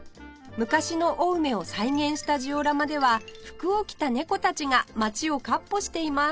昔の青梅を再現したジオラマでは服を着た猫たちが街を闊歩しています